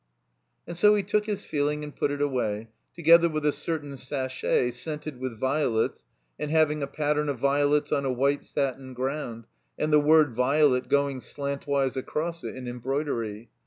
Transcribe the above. And so he took his feeling and put it away, to gether with a certain sachet, scented with violets, and having a pattern of violets on a white satin ground, and the word Violet going slantwise across it in embroidery.